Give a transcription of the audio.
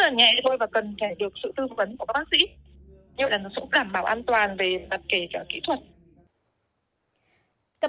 như vậy là nó cũng cảm bảo an toàn về mặt kể kỹ thuật